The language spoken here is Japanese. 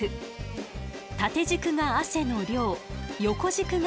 縦軸が汗の量横軸が時間よ。